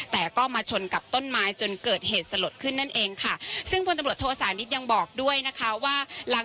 แต่ก็มาชนกับต้นไม้จนเกิดเหตุสลดขึ้นนั่นเองค่ะซึ่งพลตำรวจโทษานิทยังบอกด้วยนะคะว่าหลัง